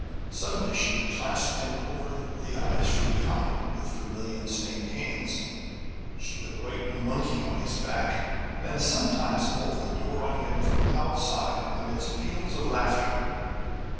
Suddenly she would clasp him over the eyes, from behind, with vermilion stained hands, she would write 'monkey' on his back, and sometimes bolt the door on him from outside amidst peals of laughter.